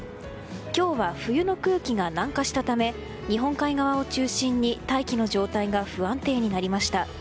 今日は冬の空気が南下したため日本海側を中心に大気の状態が不安定になりました。